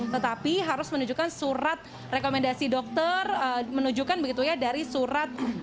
tetapi harus menunjukkan surat rekomendasi dokter menunjukkan begitu ya dari surat